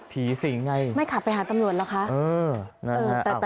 สิงไงไม่ขับไปหาตำรวจเหรอคะ